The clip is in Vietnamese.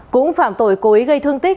cũng phạm tội cố ý gây thương tích